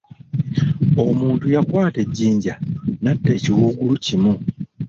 Omuntu yakwata ejjinja natta ekiwuugulu kimu.